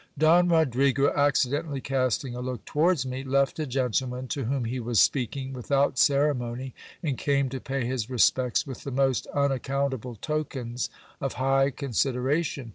Don Rodrigo accidentally casting a look towards me, left a gentleman, to whom he was speaking, without ceremony, and came to pay his respects with the most unaccountable tokens of high consideration.